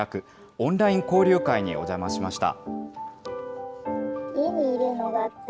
オンライン交流会にお邪魔しました。